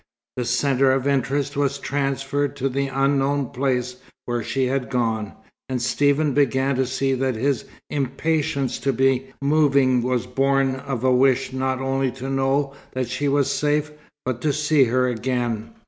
The centre of interest was transferred to the unknown place where she had gone, and Stephen began to see that his impatience to be moving was born of the wish not only to know that she was safe, but to see her again.